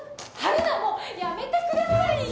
もうやめてくださいよ！